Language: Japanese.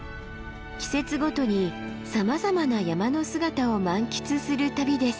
季節ごとにさまざまな山の姿を満喫する旅です。